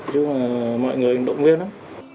chứ mà mọi người đồng viên lắm